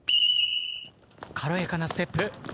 軽やかなステップ。